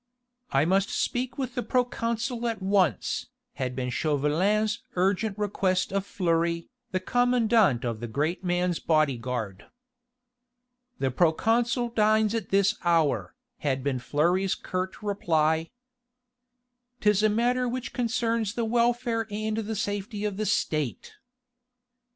"I must speak with the proconsul at once," had been Chauvelin's urgent request of Fleury, the commandant of the great man's bodyguard. "The proconsul dines at this hour," had been Fleury's curt reply. "'Tis a matter which concerns the welfare and the safety of the State!"